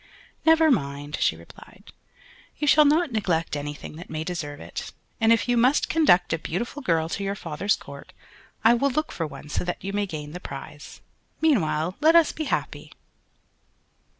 "Never mind," she replied, "you shall not neglect anything that may deserve it; and if you must conduct a beautiful girl to your father's court, I will look for one so that you may gain the prize. Meanwhile let us be happy."